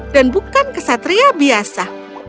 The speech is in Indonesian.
dan bukan kesatria biasa